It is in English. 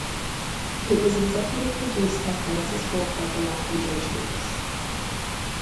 It was executive produced by Francis Ford Coppola and George Lucas.